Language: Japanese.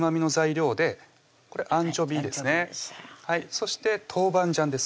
そして豆板醤です